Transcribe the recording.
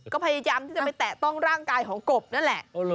ก็พยายามที่จะไปแตะต้องร่างกายของกบนั่นแหละ